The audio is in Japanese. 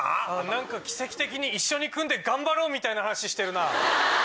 何か奇跡的に一緒に組んで頑張ろうみたいな話してるな。